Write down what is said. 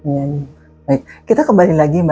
nyanyi baik kita kembali lagi